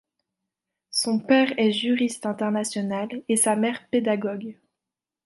Son père est juriste international et sa mère pédagogue.